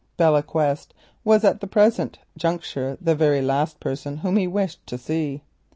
Belle Quest was at the present juncture the very last person whom he wished to see.